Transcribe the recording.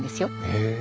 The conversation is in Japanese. へえ。